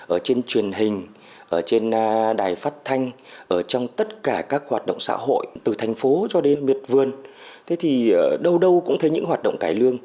ở trên truyền hình trên đài phát thanh trong tất cả các hoạt động xã hội từ thành phố cho đến miệt vườn đâu đâu cũng thấy những hoạt động cải lương